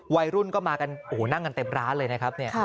วัยรุ่นก็มากันโอ้โหนั่งกันเต็มร้านเลยนะครับ